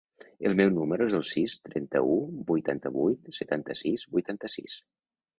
El meu número es el sis, trenta-u, vuitanta-vuit, setanta-sis, vuitanta-sis.